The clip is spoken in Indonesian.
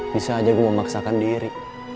bisa aja gue mau maksakan diri